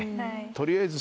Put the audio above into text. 取りあえず。